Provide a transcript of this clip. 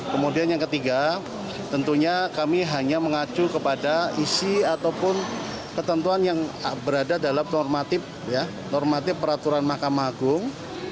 kemudian yang ketiga tentunya kami hanya mengacu kepada isi ataupun ketentuan yang berada dalam normatif peraturan mahkamah agung